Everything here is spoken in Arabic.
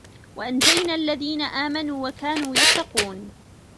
وَأَنجَينَا الَّذينَ آمَنوا وَكانوا يَتَّقونَ